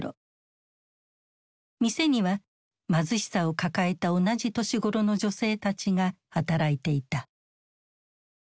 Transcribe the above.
店には貧しさを抱えた同じ年頃の女性たちが働いていた。